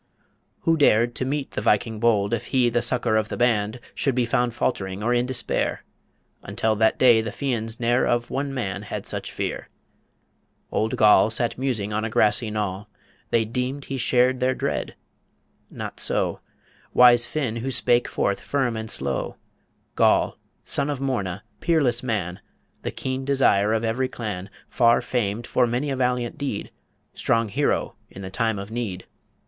Who dared To meet the Viking bold, if he The succour of the band, should be Found faltering or in despair? Until that day the Fians ne'er Of one man had such fear. Old Goll Sat musing on a grassy knoll, They deemed he shared their dread ... Not so Wise Finn, who spake forth firm and slow "Goll, son of Morna, peerless man, The keen desire of every clan, Far famed for many a valiant deed, Strong hero in the time of need.